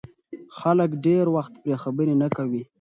خلک ډېر وخت پرې خبرې نه کوي.